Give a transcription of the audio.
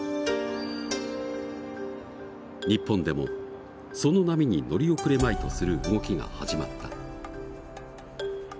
日本でもその波に乗り遅れまいとする動きが始まった。